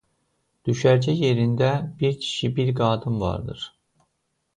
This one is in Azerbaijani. Düşərgə yerində biri kişi biri qadın vardır.